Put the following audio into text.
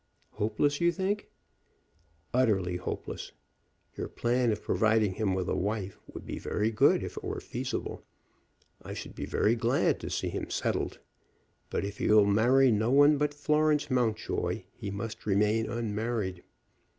"Hopeless, you think?" "Utterly hopeless. Your plan of providing him with a wife would be very good if it were feasible. I should be very glad to see him settled. But if he will marry no one but Florence Mountjoy he must remain unmarried.